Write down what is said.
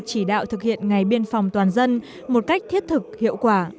chỉ đạo thực hiện ngày biên phòng toàn dân một cách thiết thực hiệu quả